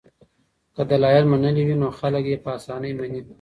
که دلایل منلي وي نو خلک یې په اسانۍ مني.